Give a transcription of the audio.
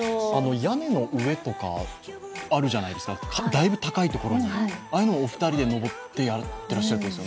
屋根の上とかあるじゃないですかだいぶ高いところに、ああいうのお二人で登ってやってるってことですよね。